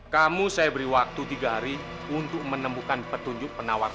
kamu saya beri waktu tiga hari untuk menemukan petunjuknya